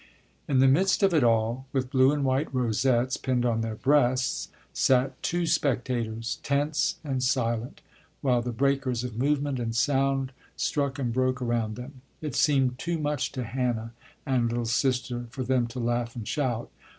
In the midst of it all, with blue and white rosettes pinned on their breasts, sat two spectators, tense and silent, while the breakers of movement and sound struck and broke around them. It seemed too much to Hannah and "little sister" for them to laugh and shout.